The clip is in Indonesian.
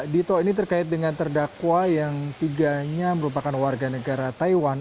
dito ini terkait dengan terdakwa yang tiganya merupakan warga negara taiwan